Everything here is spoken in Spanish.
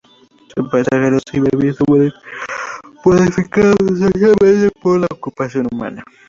Su paisaje no se ha visto modificado sustancialmente por la ocupación humana.